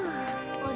あれ？